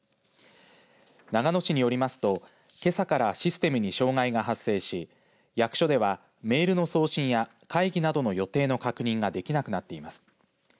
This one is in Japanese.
長野市によりますとけさからシステムに障害が発生し役所ではメールの送信や会議などの予定の確認ができなくなっています。